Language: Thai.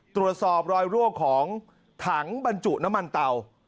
ตรวจสอบรอยรั่วของถังบรรจุน้ำมันเตา